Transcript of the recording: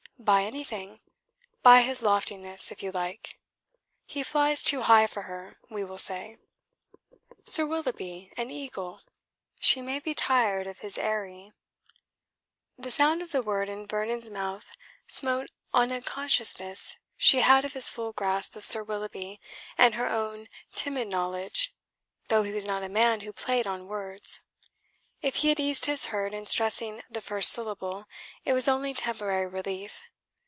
"By anything; by his loftiness, if you like. He flies too high for her, we will say." "Sir Willoughby an eagle?" "She may be tired of his eyrie." The sound of the word in Vernon's mouth smote on a consciousness she had of his full grasp of Sir Willoughby and her own timid knowledge, though he was not a man who played on words. If he had eased his heart in stressing the first syllable, it was only temporary relief.